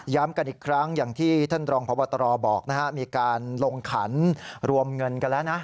กันอีกครั้งอย่างที่ท่านรองพบตรบอกนะฮะมีการลงขันรวมเงินกันแล้วนะ